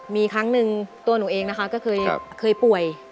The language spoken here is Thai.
มีครั้งหนึ่งตัวหนูเองนะคะก็เคยป่วย